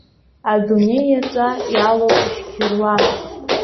Адунеи иаҵәа иалоуп ишьқьыруа.